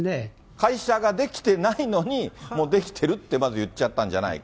会社が出来てないのに、もう出来てるって言っちゃったんじゃないか。